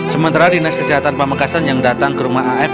sementara dinas kesehatan pamekasan yang datang ke rumah af